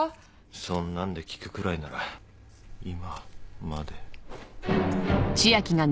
そんなんで効くくらいなら今まで。